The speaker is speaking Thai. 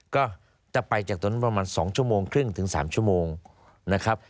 ก็จะไปจากตรงนั้นประมาณ๒ชั่วโมงครึ่งถึง๓ชั่วโมงนะครับ